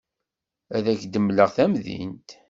Ad ak-d-mleɣ tamdint.